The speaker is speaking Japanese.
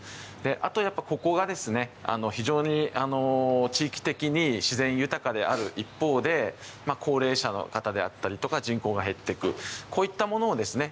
あと、やっぱりここがですね非常に地域的に自然豊かである一方で高齢者の方であったりとか人口が減っていくこういったものをですね